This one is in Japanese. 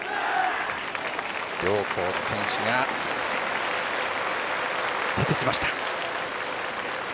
両校の選手が出てきました。